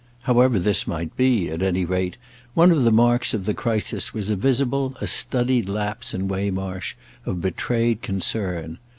However this might be, at any rate, one of the marks of the crisis was a visible, a studied lapse, in Waymarsh, of betrayed concern.